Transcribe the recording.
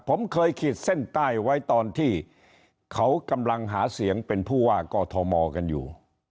ผมเคยขีดเส้นใต้ไว้ตอนที่เขากำลังหาเสียงเป็นผู้ว่ากอทมกันอยู่